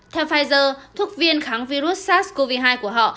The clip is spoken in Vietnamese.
theo pfizer thuốc viên kháng virus sars cov hai của họ